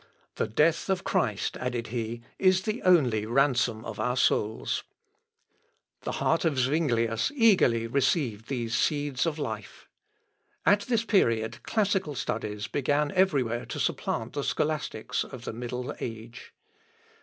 " "The death of Christ," added he, "is the only ransom of our souls." The heart of Zuinglius eagerly received these seeds of life. At this period classical studies began every where to supplant the scholastics of the middle age.